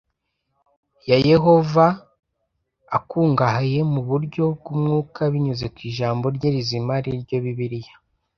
ya Yehova akungahaye yo mu buryo bw umwuka binyuze ku Ijambo rye rizima ari ryo Bibiliya